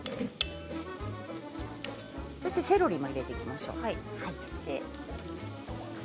そしてセロリも入れていきましょう。